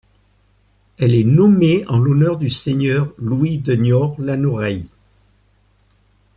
Elle est nommée en l'honneur du seigneur Louis de Niort Lanoraye.